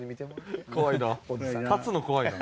怖いな。